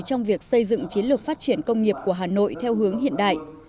trong việc xây dựng chiến lược phát triển công nghiệp của hà nội theo hướng hiện đại